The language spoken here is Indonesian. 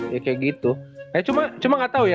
ya kayak gitu cuma nggak tau ya